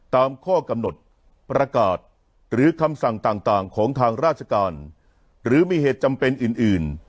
ตามข้อกำหนดประกาศหรือคำสั่งต่างของทางราชการหรือมีเหตุจำเป็นอื่น